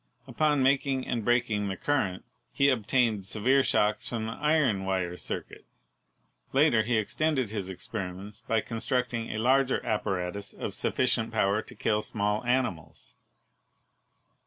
Upon making and breaking the current, he ob tained severe shocks from the iron wire circuit. Later he extended his experiments by constructing a larger ap paratus of sufficient power to kill small animals.